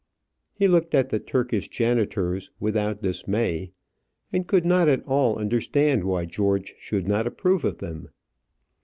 He looked at the Turkish janitors without dismay, and could not at all understand why George should not approve of them.